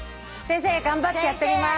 先生頑張ってやってみます！